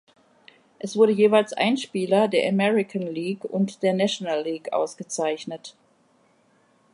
Es wurde jeweils ein Spieler der American League und der National League ausgezeichnet.